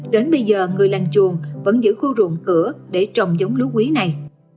đến bây giờ người làng chuồng vẫn giữ khu ruộng cửa để trồng giống lúa quý này